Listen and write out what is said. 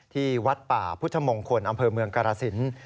ที่วัดป่าพุทธมงคลอำเภอเมืองกรสิน